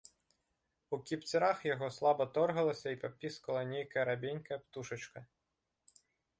У кіпцюрах яго слаба торгалася і папісквала нейкая рабенькая птушачка.